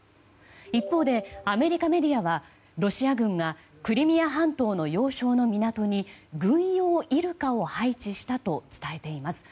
一方で、アメリカメディアはロシア軍がクリミア半島の要衝の港に軍用イルカを配置したと伝えています。